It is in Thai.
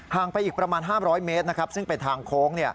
ไปอีกประมาณ๕๐๐เมตรซึ่งเป็นทางโค้ง